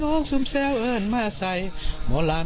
เพลงที่สุดท้ายเสียเต้ยมาเสียชีวิตค่ะ